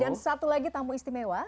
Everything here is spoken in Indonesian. dan satu lagi tamu istimewa